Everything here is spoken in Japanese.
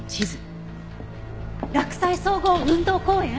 洛西総合運動公園！？